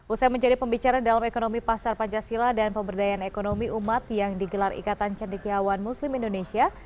usai menjadi pembicara dalam ekonomi pasar pancasila dan pemberdayaan ekonomi umat yang digelar ikatan cendekiawan muslim indonesia